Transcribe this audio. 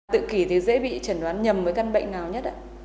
tự kỷ thì dễ bị chẩn đoán nhầm với căn bệnh nào nhất ạ